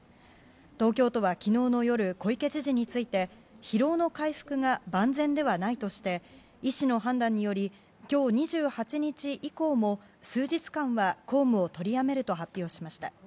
東京都は、昨日の夜小池知事について疲労の回復が万全ではないとして医師の判断により今日２８日以降も、数日間は公務を取りやめると発表しました。